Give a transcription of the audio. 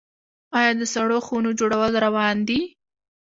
آیا د سړو خونو جوړول روان دي؟